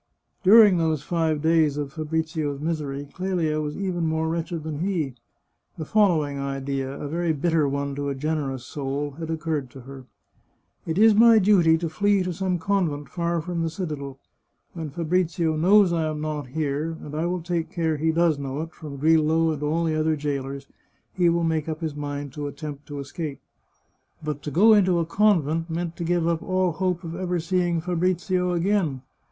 During those five days of Fabrizio's misery, Clelia was even more wretched than he. The following idea, a very bitter one to a generous soul, had occurred to her :" It is my duty to flee to some convent far from the citadel. When Fabrizio knows I am not here — and I will take care he does know it, from Grillo and all the other jailers — he will make up his mind to attempt to escape." But to go 365 The Chartreuse of Parma into a convent meant to give up all hope of ever seeing Fa brizio again.